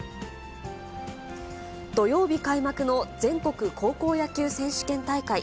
土曜日開幕の全国高校野球選手権大会。